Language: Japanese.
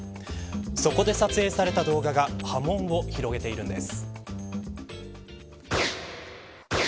そこで撮影された動画が波紋を広げているんです。